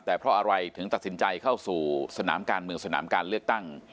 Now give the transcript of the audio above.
แต่เพราะอะไรถึงตัดสินใจเข้าสู่สนามการเมืองสนามการเลือกตั้ง